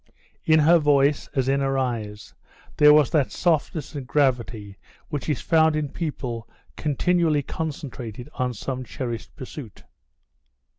In her voice, as in her eyes, there was that softness and gravity which is found in people continually concentrated on some cherished pursuit.